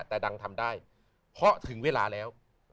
แต่ดังทำได้เพราะถึงเวลาแล้ว